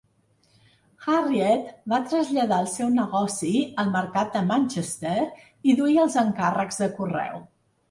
Harriet va traslladar el seu negoci al mercat de Manchester i duia els encàrrecs de correu.